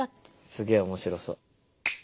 すげえ面白そう。